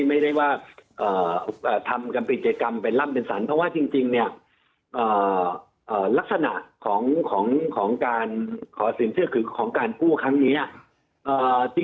ไม่ได้ว่าทำกันเป็นกิจกรรมเป็นร่ำเป็นสรรเพราะว่าจริงเนี่ยลักษณะของการขอสินเชื่อถือของการกู้ครั้งนี้